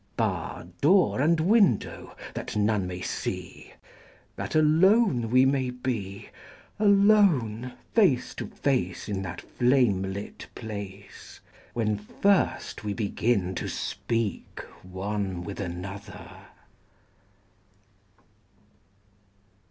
Bar door and window that none may see:That alone we may be(Alone! face to face, In that flame lit place!)When first we beginTo speak one with another.